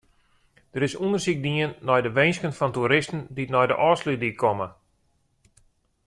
Der is ûndersyk dien nei de winsken fan toeristen dy't nei de Ofslútdyk komme.